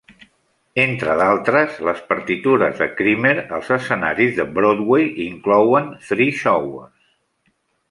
Entre d'altres, les partitures de Creamer als escenaris de Broadway inclouen "Three Showers".